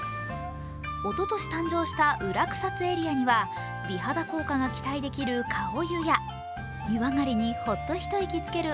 おととし誕生した裏草津エリアには美肌効果が期待できる顔湯や湯上がりにホッと一息つける